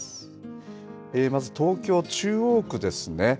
まず東京、中央区ですね。